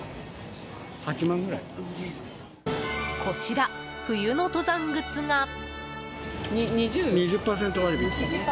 こちら冬の登山靴が。